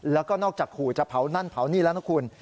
แล้วก็นอกจากขู่จะเผานั่นเผานี่แล้วนะคุณ